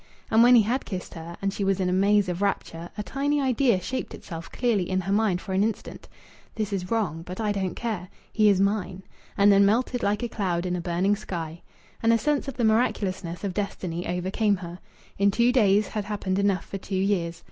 And when he had kissed her, and she was in a maze of rapture, a tiny idea shaped itself clearly in her mind for an instant: "This is wrong. But I don't care. He is mine" and then melted like a cloud in a burning sky. And a sense of the miraculousness of destiny overcame her. In two days had happened enough for two years.